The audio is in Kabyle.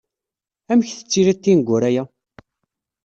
Amek tettiliḍ tineggura-ya?